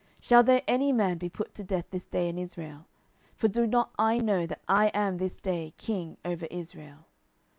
shall there any man be put to death this day in Israel? for do not I know that I am this day king over Israel?